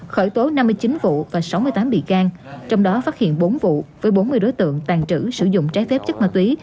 khởi tố năm mươi chín vụ và sáu mươi tám bị can trong đó phát hiện bốn vụ với bốn mươi đối tượng tàn trữ sử dụng trái phép chất ma túy